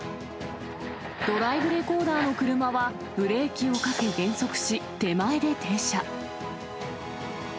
ドライブレコーダーの車は、ブレーキをかけ、減速し、手前で停車。